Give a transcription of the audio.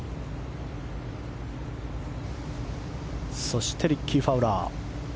そしてリッキー・ファウラー。